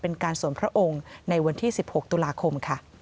เป็นการสวนพระองค์ในวันที่๑๖ตุลาคมค่ะ